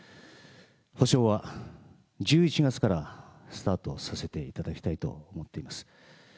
補償は１１月からスタートさせていただきたいと思っています。